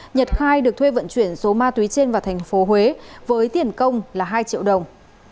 nhật khai được thuê vận chuyển số ma túy trên vào thành phố huế với tiền công là hai triệu đồng